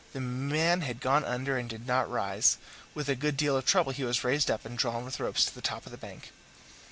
The man had gone under and did not rise; with a good deal of trouble he was raised up and drawn with ropes to the top of the bank.